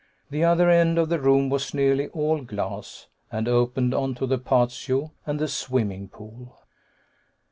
The other end of the room was nearly all glass, and opened onto the patio and the swimming pool.